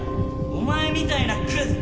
お前みたいなクズ